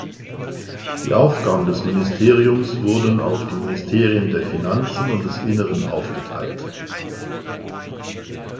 Die Aufgaben des Ministeriums wurden auf die Ministerien der Finanzen und des Inneren aufgeteilt.